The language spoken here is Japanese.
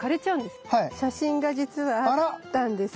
写真がじつはあったんですよ。